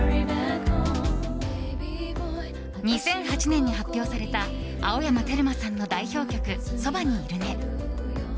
２００８年に発表された青山テルマさんの代表曲「そばにいるね」。